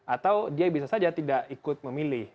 atau dia bisa saja tidak ikut memilih